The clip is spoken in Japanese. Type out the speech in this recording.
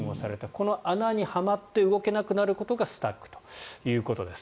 この穴にはまって動けなくなることがスタックということです。